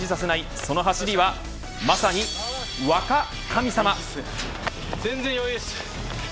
その走りはまさに若神様。